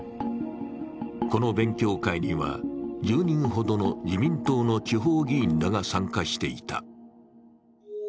この勉強会には、１０人ほどの自民党の地方議員らが参加していた。